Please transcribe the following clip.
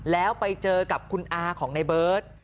แล้วไปเจอกับคุณอาของในเบิร์ต